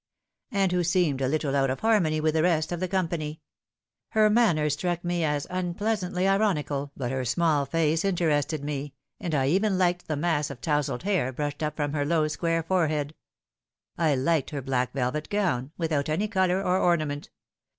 " And who seemed a little out of harmony with the rest of the company. Her manner struck me as unpleasantly ironical 268 The Fatal Three. but her small pale face interested me, and I eren liked the mass of towzled hair brushed up from her low square forehead. I liked her black velvet gown, without any colour or ornament.